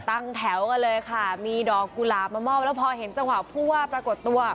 ตั้งแถวกันเลยค่ะมีดอกกุหลาบมามอบแล้วพอเห็นจังหวะผู้ว่าปรากฏตัว